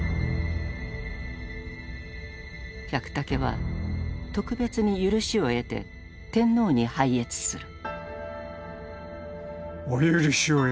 百武は特別に許しを得て天皇に拝謁する。